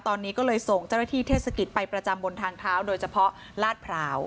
ตอนนี้ก็เลยส่งเจ้าหน้าที่เทศกิจไปประจำบนทางเท้าโดยเฉพาะลาดพร้าว